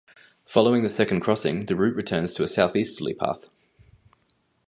Following the second crossing, the route returns to a southeasterly path.